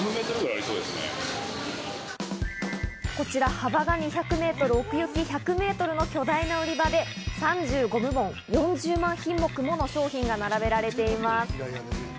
こちら幅が２００メートル、奥行き１００メートルの巨大な売り場で３５部門、４０万品目もの商品が並べられています。